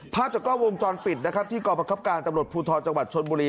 ภาพจากกล้องวงจรปิดนะครับที่กรประคับการตำรวจภูทรจังหวัดชนบุรี